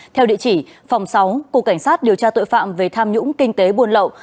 theo địa chỉ phòng sáu cục cảnh sát điều tra tội phạm về tham nhũng kinh tế buôn lậu